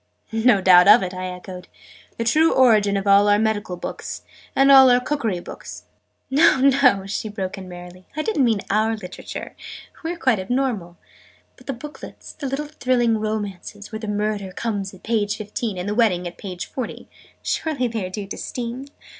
"No doubt of it," I echoed. "The true origin of all our medical books and all our cookery books " "No, no!" she broke in merrily. "I didn't mean our Literature! We are quite abnormal. But the booklets the little thrilling romances, where the Murder comes at page fifteen, and the Wedding at page forty surely they are due to Steam?"